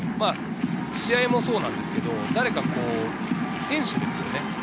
試合もそうですけれど、誰か選手ですよね。